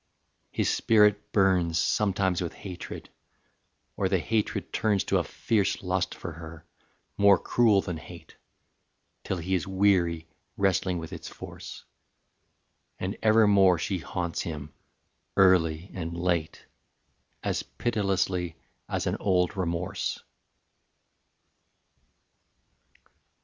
His spirit burns Sometimes with hatred, or the hatred turns To a fierce lust for her, more cruel than hate, Till he is weary wrestling with its force: And evermore she haunts him, early and late, As pitilessly as an old remorse.